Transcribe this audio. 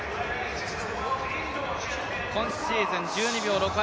今シーズン１２秒６８